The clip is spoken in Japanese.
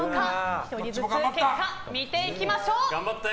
１人ずつ結果を見ていきましょう。